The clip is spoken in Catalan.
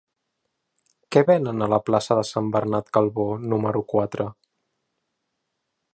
Què venen a la plaça de Sant Bernat Calbó número quatre?